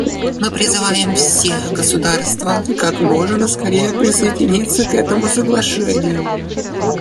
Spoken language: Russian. Мы призываем все государства как можно скорее присоединиться к этому Соглашению.